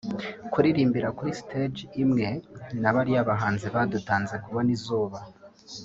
Kuririmbira kuri stage imwe na bariya bahanzi badutanze kubona izuba